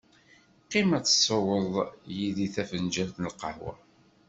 Qqim ad tesweḍ yid-i tafenǧalt n lqahwa.